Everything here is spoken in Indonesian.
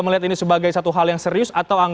melihat ini sebagai satu hal yang serius atau